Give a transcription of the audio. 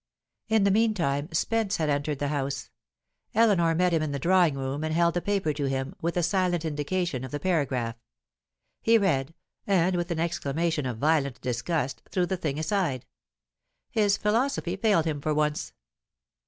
In the meantime, Spence had entered the house. Eleanor met him in the drawing room, and held the paper to him, with a silent indication of the paragraph. He read, and with an exclamation of violent disgust threw the thing aside. His philosophy failed him for once.